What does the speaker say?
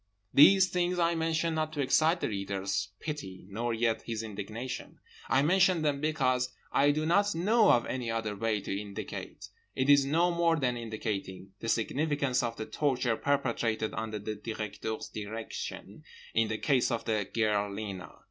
These things I mention not to excite the reader's pity nor yet his indignation; I mention them because I do not know of any other way to indicate—it is no more than indicating—the significance of the torture perpetrated under the Directeur's direction in the case of the girl Lena.